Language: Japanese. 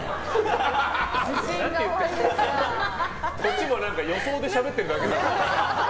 こっちも予想でしゃべってるだけ。